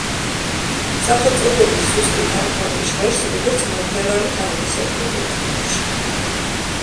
სახელწოდების ზუსტი თარგმანი ჟღერს, როგორც: „მომღერალი ტალღისებრი თუთიყუში“.